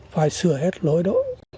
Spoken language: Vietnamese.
phải sửa hết lỗi đó